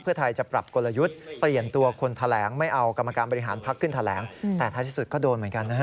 เพื่อไทยจะปรับกลยุทธ์เปลี่ยนตัวคนแถลงไม่เอากรรมการบริหารพักขึ้นแถลงแต่ท้ายที่สุดก็โดนเหมือนกันนะฮะ